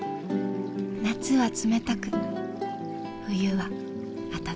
夏は冷たく冬は温かい。